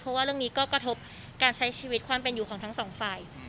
เพราะว่าเรื่องนี้ก็กระทบการใช้ชีวิตความเป็นอยู่ของทั้งสองฝ่าย